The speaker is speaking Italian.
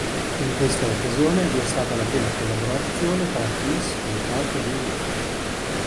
In questa occasione vi è stata la prima collaborazione tra Twice e Park Jin-young.